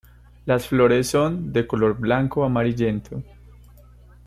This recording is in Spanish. Las flores son de color blanco-amarillento.